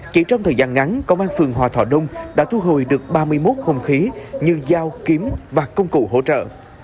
chỉ trong thời gian ngắn công an phường hòa thọ đông đã thu hồi được ba mươi một hùng khí như dao kiếm và công cụ hỗ trợ